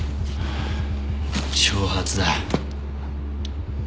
挑発だ。